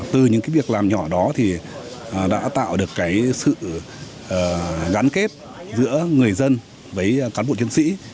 từ những việc làm nhỏ đó thì đã tạo được sự gắn kết giữa người dân với cán bộ chiến sĩ